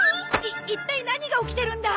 い一体何が起きてるんだ！？